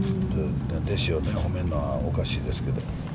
弟子を褒めるのはおかしいですけど。